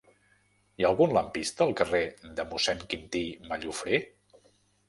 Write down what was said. Hi ha algun lampista al carrer de Mossèn Quintí Mallofrè?